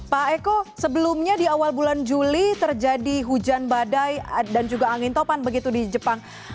pak eko sebelumnya di awal bulan juli terjadi hujan badai dan juga angin topan begitu di jepang